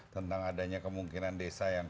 tentang adanya kemungkinan desa yang